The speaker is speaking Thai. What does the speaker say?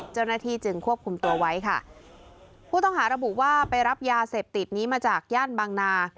เจ้าหน้าที่จึงควบคุมตัวไว้ค่ะผู้ต้องหาระบุว่าไปรับยาเสพติดนี้มาจากย่านบางนา